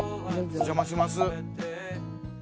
お邪魔します。